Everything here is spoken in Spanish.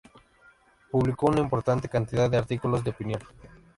Publicó una importante cantidad de artículos de opinión.